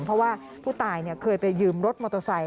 เพราะว่าผู้ตายเคยไปยืมรถมอเตอร์ไซค